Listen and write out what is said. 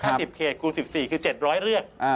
ถ้า๑๐เขตคูณ๑๔คือ๗๐๐เรื่อง